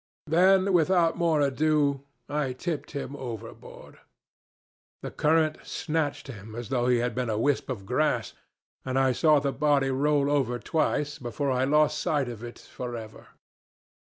Then without more ado I tipped him overboard. The current snatched him as though he had been a wisp of grass, and I saw the body roll over twice before I lost sight of it for ever.